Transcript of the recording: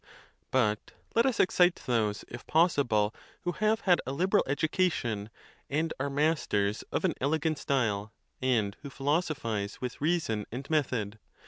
But let us excite those, if possible, who have had a liberal education, and are masters of an elegant style, and who philosophize with reason and method.